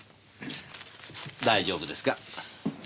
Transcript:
大丈夫ですか？